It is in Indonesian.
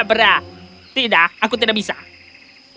apa yang kamu buat